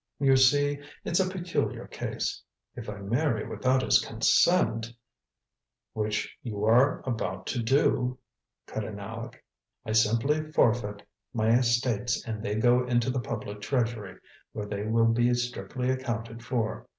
You see, it's a peculiar case. If I marry without his consent " "Which you are about to do " cut in Aleck. "I simply forfeit my estates and they go into the public treasury, where they will be strictly accounted for.